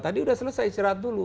tadi sudah selesai istirahat dulu